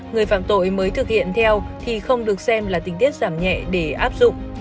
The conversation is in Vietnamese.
người phạm tội mới thực hiện theo thì không được xem là tình tiết giảm nhẹ để áp dụng